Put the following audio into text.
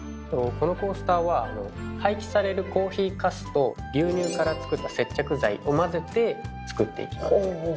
このコースターは廃棄されるコーヒーかすと牛乳から作った接着剤を混ぜて作っていきます。